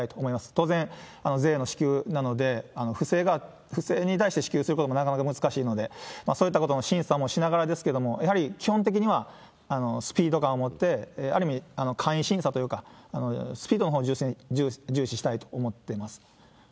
当然税の支給なので、不正に対して支給することもなかなか難しいので、そういったことも審査もしながらですけれども、やはり基本的にはスピード感を持って、ある意味、簡易審査というかスピードのほうを重視したいと思ってます。